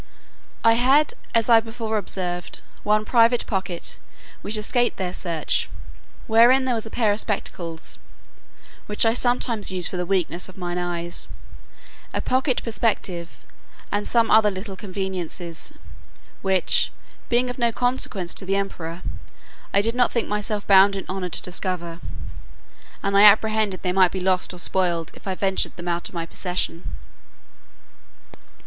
I had as I before observed, one private pocket, which escaped their search, wherein there was a pair of spectacles (which I sometimes use for the weakness of my eyes,) a pocket perspective, and some other little conveniences; which, being of no consequence to the emperor, I did not think myself bound in honour to discover, and I apprehended they might be lost or spoiled if I ventured them out of my possession.